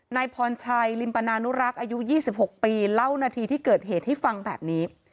นายพรชัยลิมปนานุรักษ์อายุ๒๖ปีเล่านาทีที่เกิดเหตุให้ฟังแบบนี้